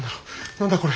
何だこれ。